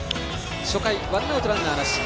初回、ワンアウトランナーなし。